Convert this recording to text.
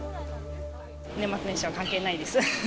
年末年始は関係ないです。